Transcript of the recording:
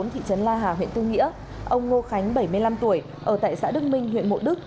thị trấn la hà huyện tư nghĩa ông ngô khánh bảy mươi năm tuổi ở tại xã đức minh huyện mộ đức